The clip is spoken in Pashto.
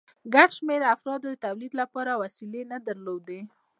ګڼ شمېر افرادو د تولید لپاره وسیلې نه درلودې